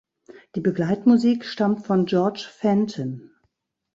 Die Begleitmusik stammt von George Fenton.